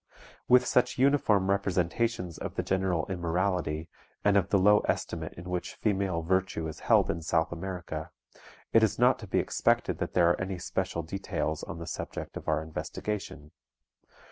With such uniform representations of the general immorality, and of the low estimate in which female virtue is held in South America, it is not to be expected that there are any special details on the subject of our investigation.